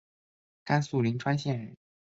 甘肃灵川县人。